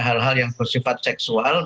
hal hal yang bersifat seksual